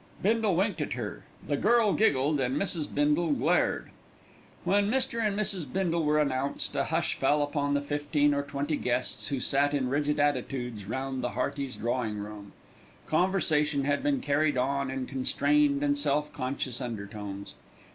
Bindle winked at her, the girl giggled, and Mrs. Bindle glared. When Mr. and Mrs. Bindle were announced, a hush fell upon the fifteen or twenty guests who sat in rigid attitudes round the Heartys' drawing room. Conversation had been carried on in constrained and self conscious undertones.